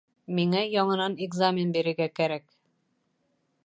Миңә яңынан экзамен бирергә кәрәк